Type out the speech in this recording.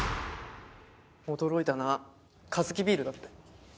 驚いたなカヅキビールだって。